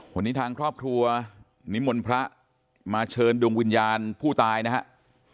วันนี้ทางครอบครัวนิมนต์พระมาเชิญดวงวิญญาณผู้ตายนะครับ